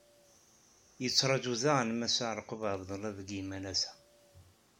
Yetturaju daɣen Mass Ɛerqub Ɛebdellah deg yimalas-a.